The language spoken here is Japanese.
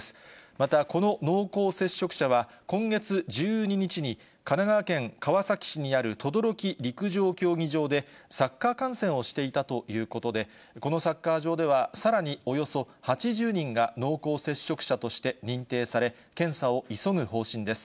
また、この濃厚接触者は、今月１２日に、神奈川県川崎市にある等々力陸上競技場で、サッカー観戦をしていたということで、このサッカー場では、さらにおよそ８０人が濃厚接触者として認定され、検査を急ぐ方針です。